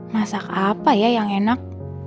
masak apa ya yang enak